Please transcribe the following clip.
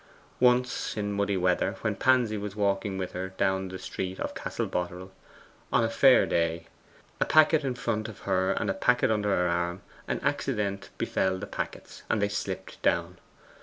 Once, in muddy weather, when Pansy was walking with her down the street of Castle Boterel, on a fair day, a packet in front of her and a packet under her arm, an accident befell the packets, and they slipped down.